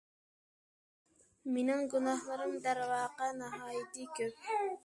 مېنىڭ گۇناھلىرىم، دەرۋەقە، ناھايىتى كۆپ.